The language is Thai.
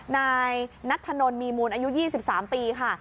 นายนัทธนลมีมูลอายุ๒๓ปีค่ะ